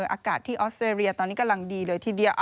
อากาศที่ออสเตรเลียตอนนี้กำลังดีเลยทีเดียว